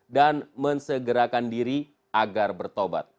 dan mensegerakan diri agar bertobat